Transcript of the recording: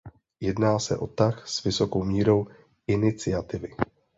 Jedná se o tah s vysokou mírou iniciativy.